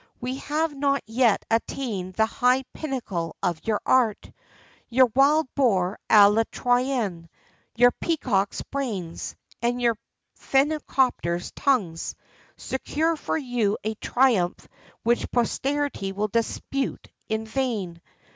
we have not yet attained the high pinnacle of your art; your wild boar à la Troyenne, your peacocks' brains, and your phenicopters' tongues, secure for you a triumph which posterity will dispute in vain!